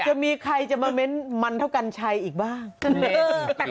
จะมีใครจะมาเม้นต์มันเท่ากัญชัยอีกบ้าง